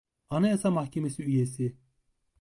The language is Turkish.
Anayasa Mahkemesi üyesi.